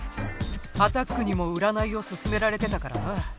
アタックにもうらないをすすめられてたからな。